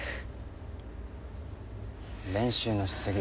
練習のし過ぎ。